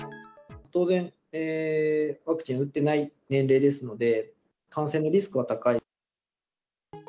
当然、ワクチン打ってない年齢ですので、感染のリスクは高い。